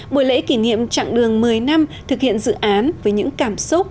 buổi lễ kỷ niệm chặng đường một mươi năm thực hiện dự án với những cảm xúc